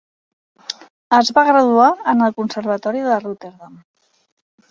Es va graduar en el Conservatori de Rotterdam.